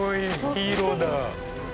ヒーローだ。